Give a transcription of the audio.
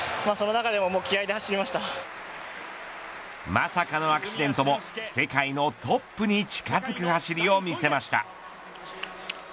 まさかのアクシデントも世界のトップに近づく走りを見せました。